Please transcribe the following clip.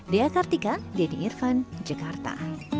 dea kartika denny irvan jakarta